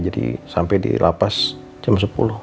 jadi sampai di lapas jam sepuluh